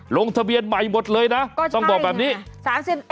ลงทะเบียนใหม่หมดเลยนะต้องบอกแบบนี้